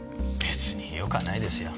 別によくはないですよ。